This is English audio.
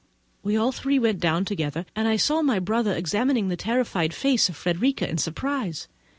We all three went down together; and I saw my brother examining the terrified face of Frederica with surprize.